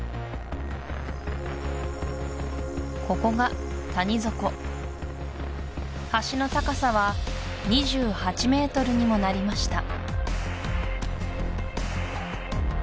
ここが谷底橋の高さは２８ｍにもなりました